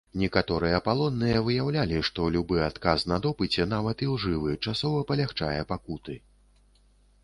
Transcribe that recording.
Некаторыя палонныя выяўлялі, што любы адказ на допыце, нават ілжывы, часова палягчае пакуты.